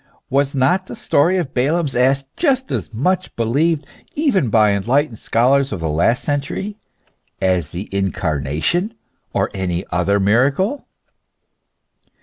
Was not the story of Balaam's ass just as much believed even by enlightened scholars of the last century, as the Incarnation or any other miracle